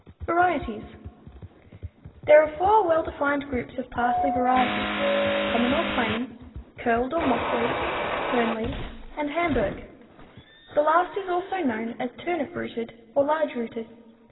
Varieties. There are four well defined groups of parsley varieties; common or plain, curled or moss leaved, fern leaved, and Hamburg. The last is also known as turnip rooted or large rooted.